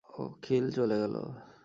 অখিল চলে গেল।